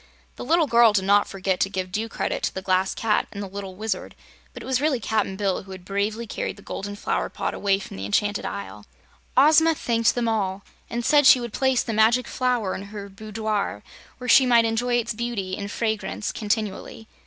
The little girl did not forget to give due credit to the Glass Cat and the little Wizard, but it was really Cap'n Bill who had bravely carried the golden flower pot away from the enchanted Isle. Ozma thanked them all, and said she would place the Magic Flower in her boudoir where she might enjoy its beauty and fragrance continually.